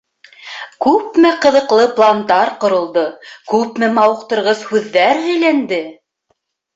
Күпме ҡыҙыҡлы пландар ҡоролдо, күпме мауыҡтырғыс һүҙҙәр һөйләнде.